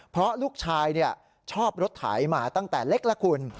เพราะลูกชายชอบรถไถมาตั้งแต่เล็กแล้วคุณ